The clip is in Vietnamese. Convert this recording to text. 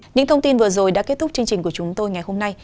những thông tin vừa rồi đã kết thúc chương trình của chúng tôi ngày hôm nay